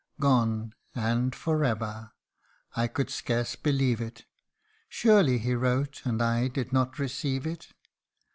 Gone, and for ever ! I could scarce believe it : Surely he wrote, and I did not receive it